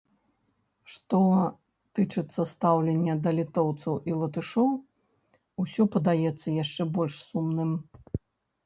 Што тычыцца стаўлення да літоўцаў і латышоў, усё падаецца яшчэ больш сумным.